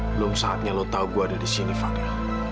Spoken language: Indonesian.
belum saatnya lo tahu gue ada di sini fakir